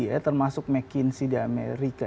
ya termasuk mckinsea di amerika